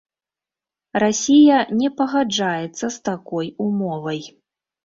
Расія не пагаджаецца з такой умовай.